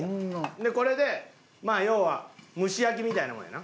でこれでまあ要は蒸し焼きみたいなもんやな。